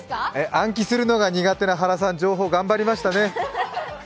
暗記するのが苦手な原さん、情報頑張りましたね。